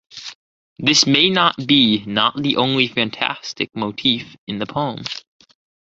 This may not be not the only fantastic motif in the poem.